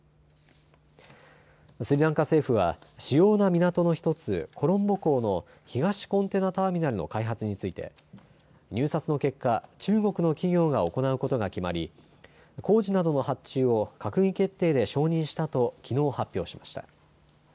スリランカ政府は主要な港の１つコロンボ港の東コンテナターミナルの開発について入札の結果、中国の企業が行うことが決まり工事などの発注を閣議決定で承認したときのう発表しました。